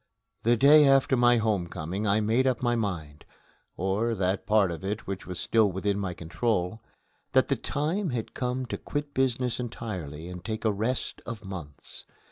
The day after my home coming I made up my mind, or that part of it which was still within my control, that the time had come to quit business entirely and take a rest of months.